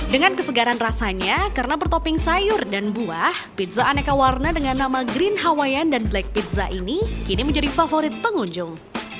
dengan kesegaran rasanya karena bertopping sayur dan buah pizza aneka warna dengan nama green hawaian dan black pizza ini kini menjadi favorit pengunjung